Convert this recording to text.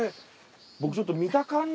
僕ちょっと見た感じ